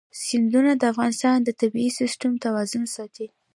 سیندونه د افغانستان د طبعي سیسټم توازن ساتي.